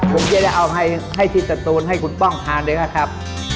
ผมจะได้เอาให้ที่สตูนให้คุณป้องทานด้วยนะครับ